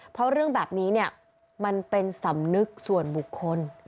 เพราะเรื่องแบบนี้เนี่ยมันเป็นสำนึกส่วนบุคคล